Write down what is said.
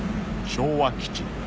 ［昭和基地］